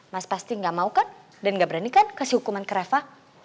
mas pasti nggak mau kan dan gak berani kan kasih hukuman ke refa